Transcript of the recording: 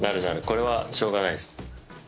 これはしょうがないっす。